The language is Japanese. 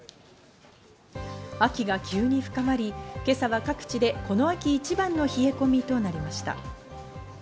秋が急に深まり、今朝は各地でこの秋一番の冷え込みとなりました。